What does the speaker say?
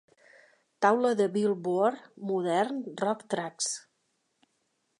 Taula de Billboard Modern Rock Tracks.